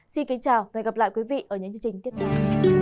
xin kính chào và hẹn gặp lại quý vị ở những chương trình tiếp theo